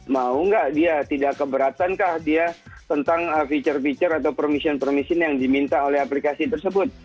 mau nggak dia tidak keberatan kah dia tentang feature feature atau permission permission yang diminta oleh aplikasi tersebut